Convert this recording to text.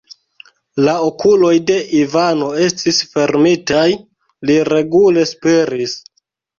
La okuloj de Ivano estis fermitaj, li regule spiris.